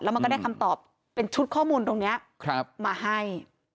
มันก็ได้คำตอบเป็นชุดข้อมูลตรงนี้มาให้